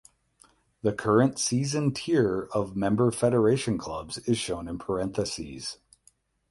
The current season tier of member federation clubs is shown in parentheses.